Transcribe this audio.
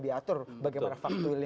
diatur bagaimana faktualnya